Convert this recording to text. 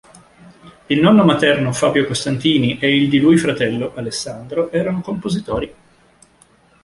Il nonno materno Fabio Costantini e il di lui fratello Alessandro erano compositori.